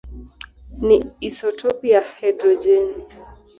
ni isotopi ya hidrojeni.